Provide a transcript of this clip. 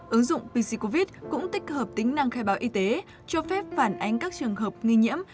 ứng dụng pc covid cũng tích hợp tính năng khai báo y tế cho phép phản ánh các trường hợp nghi nhiễm